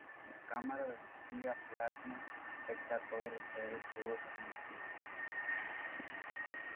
La Cámara de energía plasma afecta a todos los seres que usan energía.